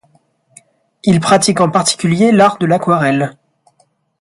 Il pratique en particulier l'art de l'aquarelle.